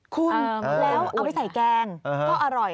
คุณแล้วเอาไปใส่แกงก็อร่อย